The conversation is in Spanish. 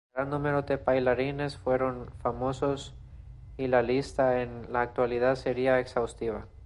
Gran número de bailarines fueron famosos y la lista en la actualidad sería exhaustiva.